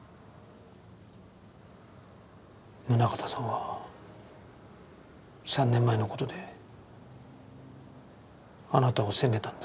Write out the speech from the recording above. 宗形さんは３年前の事であなたを責めたんですか？